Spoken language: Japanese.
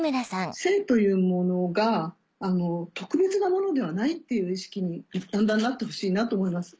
性というものが特別なものではないっていう意識にだんだんなってほしいなと思います。